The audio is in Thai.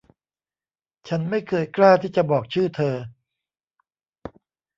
ฉันไม่เคยกล้าที่จะบอกชื่อเธอ